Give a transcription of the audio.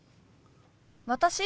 私？